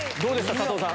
佐藤さん